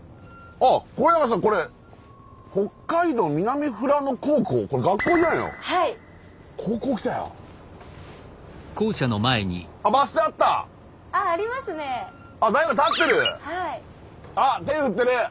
あっ手振ってる！